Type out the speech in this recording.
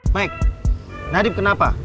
mike nadif kenapa